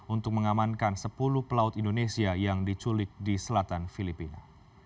untuk mengamankan sepuluh pelaut indonesia yang diculik di selatan filipina